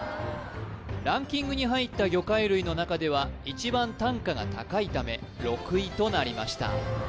ランキングに入った魚介類の中では一番単価が高いため６位となりました